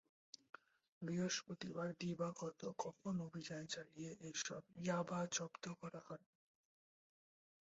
বৃহস্পতিবার দিবাগত কখন অভিযান চালিয়ে এসব ইয়াবা জব্দ করা হয়?